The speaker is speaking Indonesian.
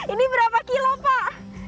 ini berapa kilo pak